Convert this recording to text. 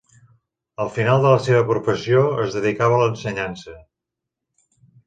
Al final de la seva professió es dedicava l'ensenyança.